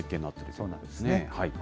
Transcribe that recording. そうなんですね。